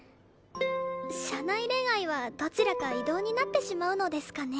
社内恋愛はどちらか異動になってしまうのですかね。